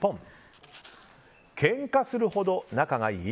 ケンカするほど仲がいい？